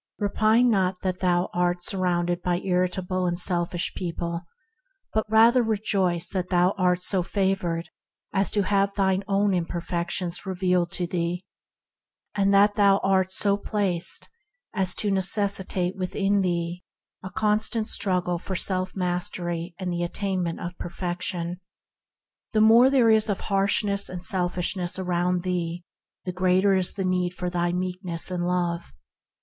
Repine not that thou art surrounded by irritable and selfish people; but rather rejoice that thou art so favored as to have thine own imperfections revealed to thee, and that thou art so placed as to necessitate within thee a constant struggle for self mastery and the attainment of perfection. The more there is of harsh ness and selfishness around thee the greater is the need of thy Meekness and love.